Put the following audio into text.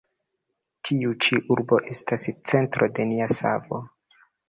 Tiu ĉi urbo estas centro de nia savo.